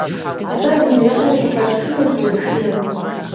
Сэ гугъуехьым укъыхэсшынущ, умышынэ.